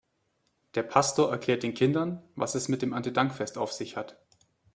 Der Pastor erklärt den Kindern, was es mit dem Erntedankfest auf sich hat.